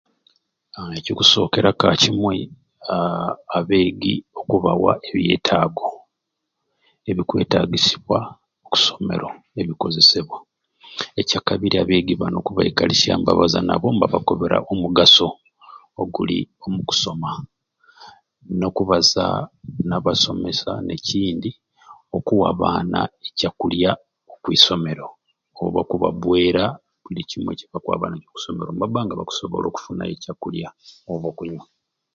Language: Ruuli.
Aa ekikusookera ka kimwe aa abeegi okubawa ebyetaago ebikwetagisibwa ku somero ebikozesebwa. Ekyakabiri abeegi bani okubaikalusyanga nobaza nabo nivabakobera omugaso oguli omu kusoma n'okubaza nabasomesa ekindi okuwa abaana ekyakulya okusomero oba okubabbweera kibakwaba nakyo okwi someri nibabba nga bakusobola okufuna ekya kulya oba ekya kunywa.